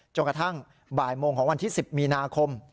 กระทั่งบ่ายโมงของวันที่๑๐มีนาคม